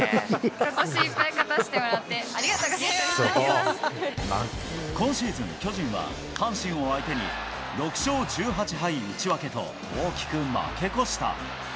ことしいっぱい勝たせてもら今シーズン、巨人は阪神を相手に６勝１８敗１分けと、大きく負け越した。